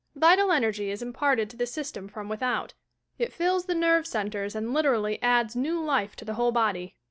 Vital energy is imparted to the system from without; it fills the nerve centres and lit erally adds new life to the whole body.